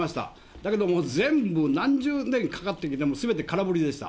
だけども全部、何十年かかってきても、すべて空振りでした。